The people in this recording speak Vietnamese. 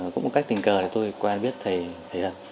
cũng một cách tình cờ tôi quen biết thầy hân